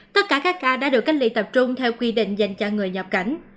tất cả các ca đã được cách ly tập trung theo quy định dành cho người nhập cảnh